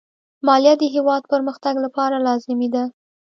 مالیه د هېواد پرمختګ لپاره لازمي ده.